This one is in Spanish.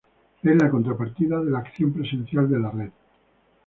Es la contrapartida de la acción presencial de la Red.